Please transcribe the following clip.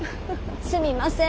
「すみません！